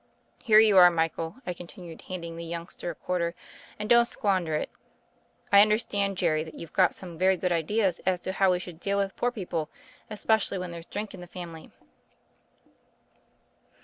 Here you are Michael," I continued, handing the youngster a quarter, "and don't squander it. I understand, Jerry, that you've got some very good ideas as to how we should deal with poor people, especially when there's drink in the family."